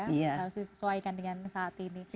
harus disesuaikan dengan saat ini